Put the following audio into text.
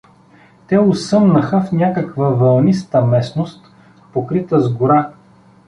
Те осъмнаха в някаква вълниста местност, покрита с гора.